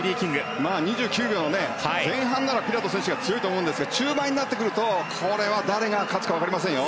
２９秒前半ならピラト選手が強いと思うんですが中盤になってくるとこれは誰が勝つかわかりませんよ。